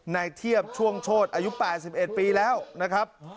ในเทียบช่วงโชธอายุ๘๑ปีแล้วนะครับ